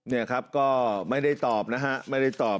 เนี่ยครับก็ไม่ได้ตอบนะฮะไม่ได้ตอบ